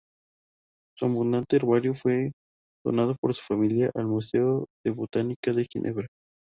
Su abundante herbario fue donado por su familia al Museo de Botánica de Ginebra.